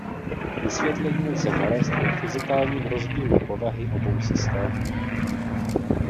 Vysvětlení lze nalézt ve fyzikálním rozdílu povahy obou systémů.